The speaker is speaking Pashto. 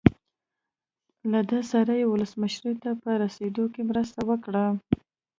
له ده سره یې ولسمشرۍ ته په رسېدو کې مرسته وکړه.